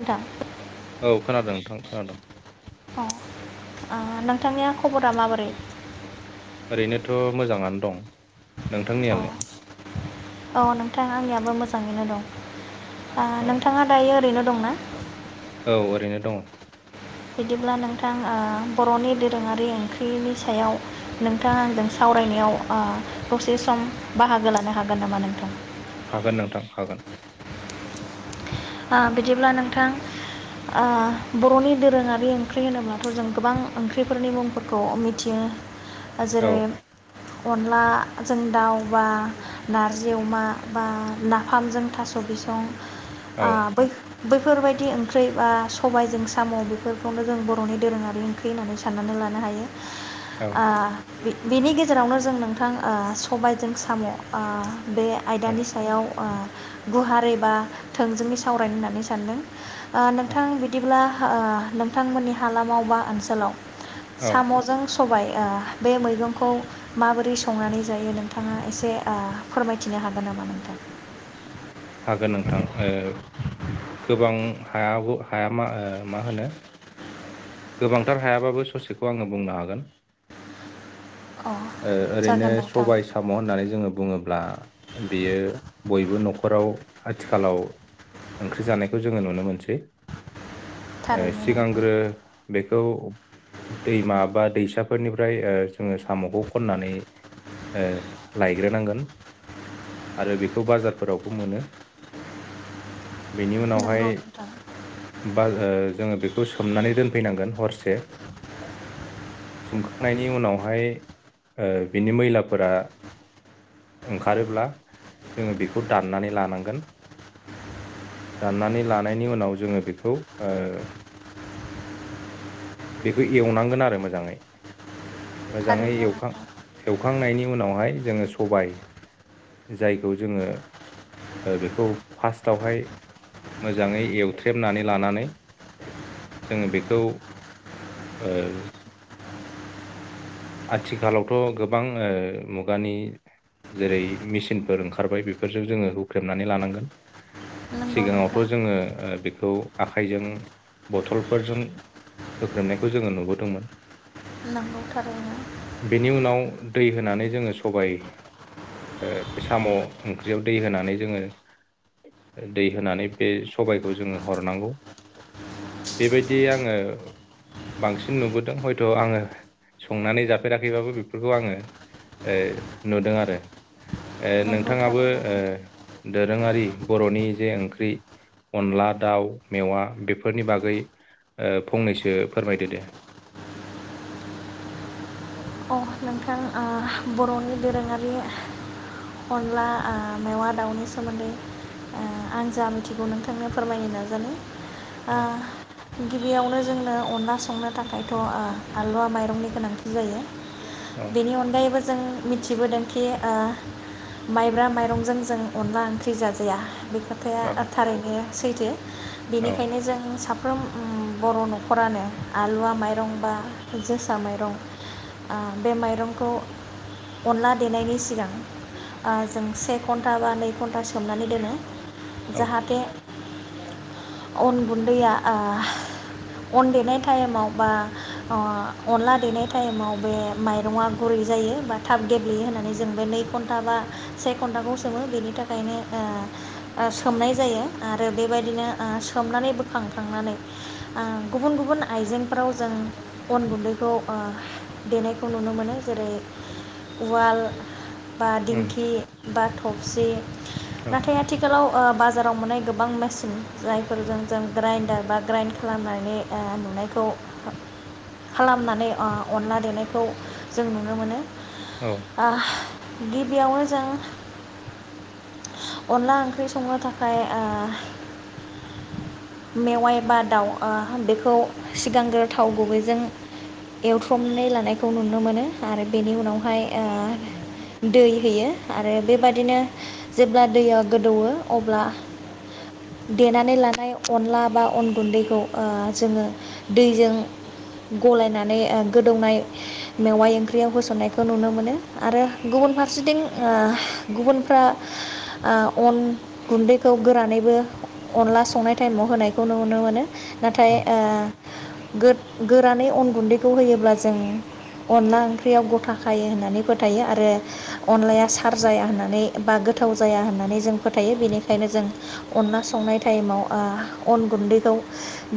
आदा औ खोनादों नोंथां खोनादों अ नोंथांनिया खबरा माबोरै ओरैनोथ' मोजाङानो दं नोंथांनियालाय औ नोंथां आंनियाबो मोजां ङैनो दं ओ औ नोंथाङा दायो ओरैनो दंना औ ओरैनो दङ बिदिब्ला नोंथां ओ बर'नि दोरोङारि ओंख्रिनि सायाव नोंथाङा आंजों सावरायनायाव ओ दसे सम बाहागो लानो हागोन नामा नोंथां हागोन नोंथां हागोन ओ बिदिब्ला नोंथां बर'नि दोरोङारि ओंख्रि होनोब्लाथ' जों गोबां ओंख्रिफोरनि मुंफोरखौ मिथियो ओ औ जेरै अनलाजों दाउ बा नारजि अमा बा नाफामजों थास' बिसं आ बै फोरबायदि ओंख्रि बा सबाइजों साम' बेफोरखौनो जों बर'नि दोरोङारि ओंख्रि होननानै सान्नानै लानो हायो औ आ बेनि गेजेरावनो जों नोंथां ओ सबायजों साम' ओ बे आयदानि सायाव गुवार एबा थोंजोङै सावरायनो होननानै सानदों ओ औ नोंथां बिदिब्ला ओ नोंथांमोननि हालामाव बा ओनसोलाव औ साम'जों सबाय ओ बे मैगंखौ माबोरै संनानै जायो नोंथाङा एसे ओ फोरमायथिनो हागोन नामा नोंथां हागोन नोंथां गोबां हाय हाया म मा होनो गोबांथार हायाबाबो ससेखौ आङो बुंनो हागोन अ ओ ओरैनो जागोन नोंथां सबाय साम' होननानै जोङो बुङोब्ला ब्ला बेयो बयबो न'खराव आथिखालाव ओंख्रि जानायखौ जोङो नुनो मोनसै ओ थारैनो नोंथां सिगांग्रो बेखौ दैमा बा दैसाफोरनिफ्राय ओ जोङो साम'खौ खननानै ओ लायग्रोनांगोन आरो बेखौ बाजारफोरावबो मोनो बेनि उनावहाय नंगौ नोंथां बा जोङो बेखौ सो सोमनानै दोनफैनांगोन हरसे सोमखांनायनि उनावहाय ओ बिनि मैलाफोरा ओंखारोब्ला जोङो बेखौ दाननानै लानांगोन दाननानै लानायनि उनाव जोङो बेखौ ओ बेखौ एवनांगोन आरो मोजाङै मोजाङै थारैनो एव नोंथां एवखांनायनि उनावहाय जोङो सबाय जायखौ जोङो बेखौ फार्टआवहाय मोजाङै एवथ्रेबनानै लानानै जोङो बेखौ ओ आथिखालावथ' गोबां ओ मुगानि जेरै मेचिनफोर ओंखारबाय बेफोरजों जोङो हुख्रेमनानै लानांगोन नंगौ नोंथां सिगाङावथ' जोङो ओ बेखौ आखाइजों बथलफोरजों होख्रेमनायखौ जोङो नुबोदोंमोन नांगौथारै बेनि उनाव दै होनानै जोङो सबाय ओ साम' ओंख्रियाव दै होनानै जोङो दै होनानै बे सबायखौ जोङो हरनांगौ बेबायदि आङो बांसिन नुबोदों हयथ' आङो संनानै जाफेराखैबाबो बेफोरखौ आङो ओ नुदों आरो ओ नंगौ नोंथाङाबो थारैनो नोंथां दोरोङारि बर'नि जे ओंख्रि अनला दाउ मेवा बेफोरनि बागै फंनैसो फोरमायदो दे अ नोंथां ओ बर'नि दोरोङारि अनला ओ मेवा दाउनि सोमोन्दै ओ आं जानो आथिखौ नोंथांनो फोरमायनो नाजानो औ ओह गिबियावनो जोंनो अनला संनो थाखायथ' आलुवा माइरंनि गोनांथि जायो औ बेनि अनगायैबो जों मिथिबोदोंखि ओ माइब्रा माइरंजों जों अनला ओंख्रि जाजाया बे खोथाया औ ओ थारैनो सैथो औ बेनिखायनो जों सा साफ्रोम ओ बर' न'खरानो आलुवा माइरं बा जोसा माइरं बा बे माइरंखौ अनला देनायनि सिगां जों से घन्टा बा नै घन्टाससिम सोमनानै दोनो औ जाहाथे अन गुन्दैया ओह अन देनाय टाइमाव बा अनला देनाय टाइमाव बे माइरङा गुरै जायो बा थाब गेब्लेयो होननानै जों बे नै घन्टा बा से घन्टाखौ सोमो बेनि थाखायनो ओ सोमनाय जायो आरो बेबायदिनो सोमनानै बोखांखांनानै ओ गुबुन गुबुन आइजेंफोराव जों अन गुन्दैखौ ओह देनायखौ नुनो मोनो जेरै उवाल बा उम दिंखि बा थबसि औ नाथाय आथिखालाव बाजाराव मोननाय गोबां मेसिन जायफोरजों जों ग्राइन्डार बा ग्राइन्ड खालामनानै नुनायखौ खालामनानै अनला देनायखौ जों नुनो मोनो औ आ गिबियावनो जों अनला ओंख्रि संनो थाखाय ओ मेवाइ बा दाउ बेखौ ओ सिगांग्रो थाव गुबैजों एवथ्रमनानै ल हनायखौ नुनो मोनो आरो बेनि उनावहाय ओ दै होयो आरो बेबादिनो जेब्ला दैया गोदौो अब्ला देनानै लानाय अनला बा अन गुन्दैखौ जोङो दैजों गलायनानै गोदौनाय मेवाइ ओंख्रियाव होसननायखौ नुनो मोनो आरो गुबुन फारसेथिं ओ गुबुनफ्रा ओ अन गुन्दैखौ गोरानैबो अनला संनाय टाइमाव होनाय खौ नुनो मोनो नाथाय ओह गोद गोरानै अन गुन्दैखौ होयोब्ला जों अनला ओंख्रियाव गथा खायो होननानै फोथायो आरो अनलाया सार जाया होननानै बा गोथाव जाया होननानै जों फोथायो बेनिखायनो जों अनला संनाय टाइमाव ओ अन गुन्दैखौ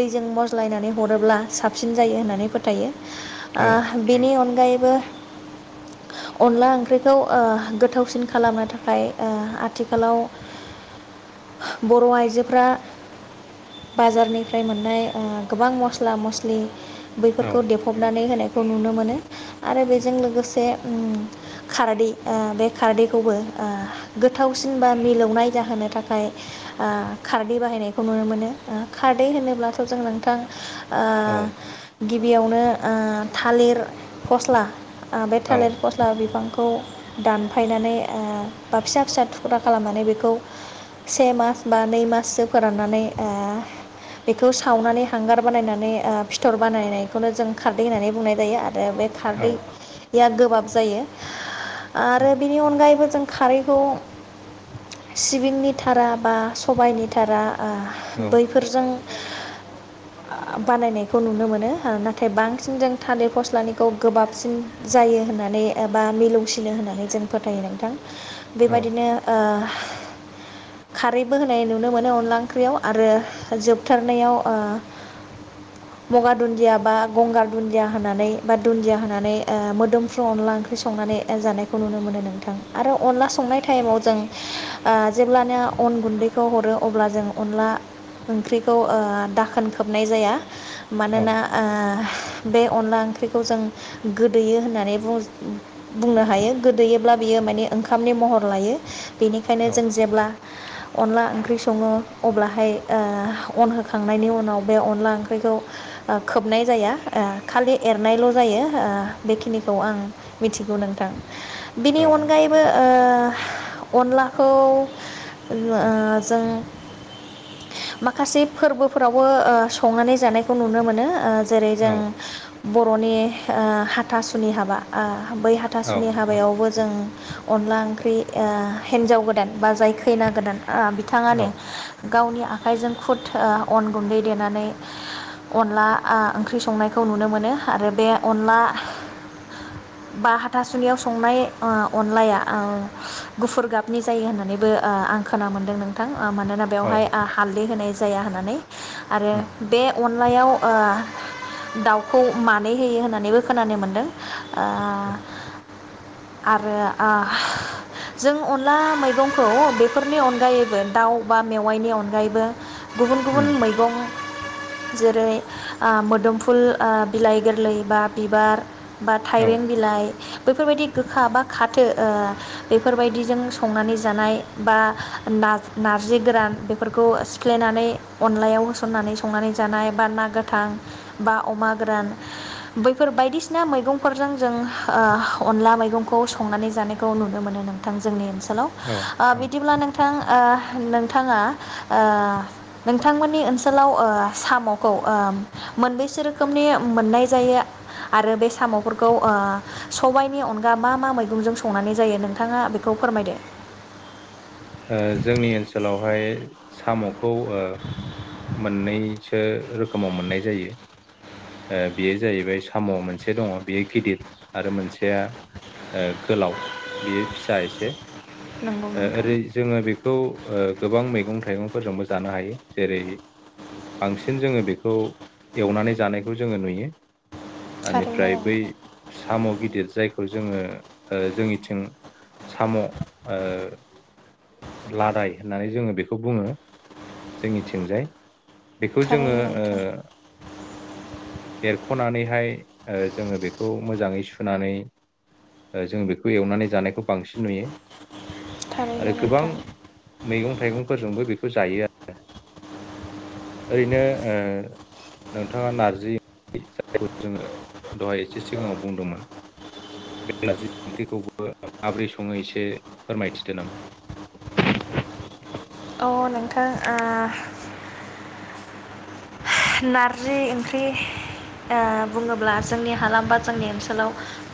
दैजों मज्लायनानै हरोब्ला साबसिन जायो होननानै फोथायो औ नि अनगायैबो अनला ओंख्रिखौ ओह गोथावसिन खालामनो थाखाय ओह आथिखालाव बर' आइजोफोरा बाजारनिफ्राय मोननाय ओह गोबां मस्ला मस्लि औ बैफोरखौ देफबनानै होनाय खौ नुनो मोनो आरो बे बेजों उम लोगोसे खारदै ओ बे खारदैखौबो गोथावसिन बा मिलौनाय जाहोनो थाखाय ओ खारदै बाहायनायखौ नुनो मोनो ओ खारदै होनोब्लाथ' जों नोंथां औ ओ गिबियावनो थालिर फस्ला आ बे औ थालिर फस्ला बिफांखौ खौ दानफायनानै ओ बा फिसा फिसा थुख्रा खालामनानै बेखौ से मास बा नै माससो फोराननानै ओ बेखौ सावनानै हांगार बानायनानै ओ फिथर बानायनायखौनो जों खारदै होननानै बुंनाय जायो आरो आरो बे औ खारदै या गोबाब जायो उम आरो बिनि अनगायैबो जों खारैखौ सिबिंनि थारा बा सबायनि थारा औ ओ बैफोरजों ओ बानायनायखौ नुनो मोनो नाथाय बांसिन जों थान्दिर फस्लानिखौ गोबाबसिन जायो होननानै एबा मिलौसिनो होननानै जों फोथायो नोंथां औ बेबायदिनो खारैबो होनाय नुनो मोनो अनला ओंख्रियाव आरो जोबथारनायाव ओ मगा दुन्दिया बा गंगार दुन्दिया दुन्दिया होनानै बा दुन्दिया होनानै ओ मोदोमफ्रु अनला ओंख्रि संनानै जानायखौ नुनो मोनो नोंथां आरो अनला संनाय टाइमाव जों ओ जेब्लानो अन गुन्दैखौ हरो अब्ला जों अनला ओंख्रिखौ दाखोन खोबनाय जाया औ मानोना बे अनला ओंख्रिखौ जों गोदोयो होननानै बुंनो हायो गोदोयोब्ला बियो माने ओंखामनि महर लायो बेनिखायनो जों जेब्ला अनला ओंख्रि सङो अब्लाहाय ओ अन होखांनायनि उनाव बे अनला ओंख्रिखौ खोबनाय जाया ओ खालि एरनायल' जायो ओ बेखिनिखौ आं मिथिगौ नोंथां बिनि अनगायैबो अनलाखौ ओ जों माखासे फोरबोफोरावबो ओ संनानै जानायखौ नुनो मोनो ओ औ जों ब बर'नि ओ हाथासुनि हाबा ओ बै हाथासुनि औ हाबायावबो जों अनला ओंख्रि ओ हिन्जाव गोदान बा जाय खैना गोदान अ औ बिथाङानो गावनि आखाइजों खुद ओ अन गुन्दै देनानै अनला ओंख्रि संनायखौ नुनो मोनो आरो बे अनला बा हाथासुनियाव संनाय ओ अनलाया गुफुर गाबनि जायो होननानैबो ओ आं खोना मोन्दों नोंथां मानोना बेवहाय हालदै होनाय जाया होननानै आरो उम बे अन अलायाव ओह दाउखौ मानै होयो होननानैबो खोनानो मोनदों ओ आरो ओह जों अनला मैगंखौ बेफोरनि अनगायैबो दाउ बा मेवाइनि अनगायैबो गुबुन गुबुन उम मैगं जेरै ओ मोदोमफुल ओ बिलाइ गोरलै बा बिबार बा औ थाइबें बिलाइ बेफोरबायदि गोखा बा खााथो बेफोरबायदिजों संनानै जानाय बा नार नारजि गोरान बेफोरखौ सिफ्लायनानै अनलायाव होसननानै संनानै जानाय बा ना गोथां बा अमा गोरान बैफोर बायदिसिना मैगंफोरजों जों ओ अनला मैगंखौ संनानै जानायखौ नुनो मोनो नोंथां जोंनि ओनसोलाव औ हेल' बिदिब्ला नोंथां ओह नोंथाङा ओह नोंथांमोननि ओनसोलाव साम'खौ ओह मोनबैसो रोखोमनि मोननाय जायो आरो बे साम'फोरखौ ओह सबायाइनि अनगा मा मा मैगंजों संनानै जायो नोंथाङा बेखौ फोरमायदो ओह जोंनि ओनसोलाव बेवहाय साम'खौ ओ मोननैसो रोखोमाव मोननाय जायो बेयो जाहैबाय साम' मोनसे दङ बेयो गिदिर आरो मोनसेया गोलाव बेयो फिसा एसे नंगौ बियो नोंथां ओरै जोङो बेखौ ओ गोबां मैगं थाइगंफोरजोंबो जानो हायो जेरै बांसिन जोङो बेखौ एवनानै जानायखौ जोङो नुयो थारैनो बेनिफ्राय बै नोंथां साम' गिदिर जायखौ जोङो जोंनिथिं साम'ओ लादाय होननानै जोङो बेखौ बुङो जोंनिथिंजाय बेखौ जोङो थारैनो ओ नोंथां एरख'नानैहाय जोङो बेखौ मोजाङै सुनानै जों बेखौ एवनानै जानायखौ बांसिन नुयो आरो थारैनो गोबां नोंथां मैगं थाइगंफोरजोंबो बेखौ जायो आरो ओरैनो ओ नोंथाङा नारजि जेखौ जोङो दहाय एसे सिगाङाव बुंदोंमोन बेलाजि ओंख्रिखौबो माब्रै सङो एसे फोरमायथिदो नामा अ नोंथां ओह [inaudible] नारजि ओंख्रि ओ बुङोब्ला जोंनि हालाम बा जोंनि ओनसोलाव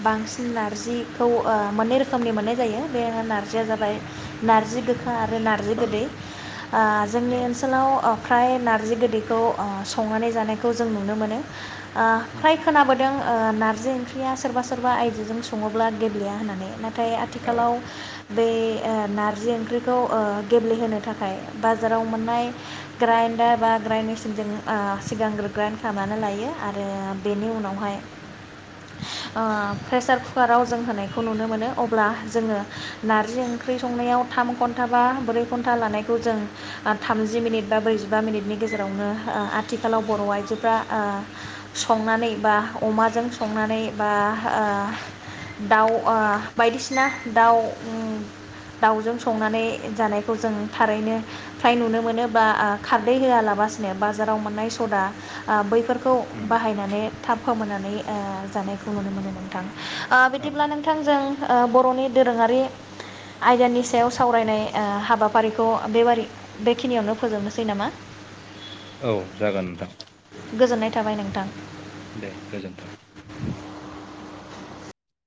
बांसिन नारजिखौ ओ मोननै रोखोमनि मोननाय जायो बे नारजिया जाबाय नार्जि गोखा आरो नार्जि गोदै ओह जोंनि औ ओनसोलाव फ्राय नारजि गोदैखौ ओह संनानै जानायखौ जों नुनो मोनो ओह फ्राय खोनाबोदों ओ नारजि ओंख्रिया सोरबा सोरबा आयजोजों सङोब्ला गेब्लेया होननानै नाथाय नाथाय औ आथिखालाव बे नारजि ओंख्रिखौ गेब्लेहोनो थाखाय बाजाराव मोननाय ग्राइडार बा ग्रड सिन जों ओ सिगांग्रो ग्राइड खालामनानै लायो आरो बेनि उनावहाय ओ प्रेसार कुकाराव जों होनायखौ नुनो मोनो अब्ला जोङो नार्जि ओंख्रि संनायाव थाम घन्टा बा ब्रै घन्टा लानायखौ जों थामजि मिनिट बा ब्रैजिबा मिनिटनि गेजेरावनो ओह आथिखालाव बर' आइजोफ्रा ओह संनानै बा अमाजों संनानै बा ओह दाउ ओह बायदिसिना बिसिना दाउ दाउजों संनानै जानायखौ जों थारैनो फ्राय नुनो मोनो बा खारदै होआलाबासिनो बाजाराव मोननाय सदा ओ बैफोरखौ बैफोरखौ औ बाहायनानै थाब फोमोननानै जानायखौ नुनो मोनो नोंथां ओह बिदिब्ला नोंथांजों ओह बर'नि दोरोङारि आयदानि सायाव ओह सावरायनाय हाबाफारिखौ बेब बेखिनियावनो फोजोबनोसै नामा औ जागोन नोंथां गोजोननाय थाबाय नोंथां दे गोजोन्थों